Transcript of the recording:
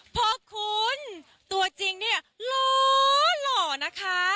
พบคุณตัวจริงเนี่ยโร่หร่อนะคะ